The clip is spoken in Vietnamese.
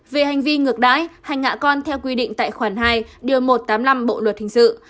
về hành vi ngược đáy hành ngạ con theo quy định tại khoản hai điều một trăm tám mươi năm bộ luật hình sự